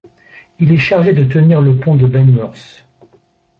Il est chargé de tenir le pont de Begnworth.